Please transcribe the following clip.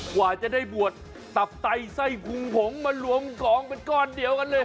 กว่าจะได้บวชตับไตไส้พุงผงมารวมกองเป็นก้อนเดียวกันเลย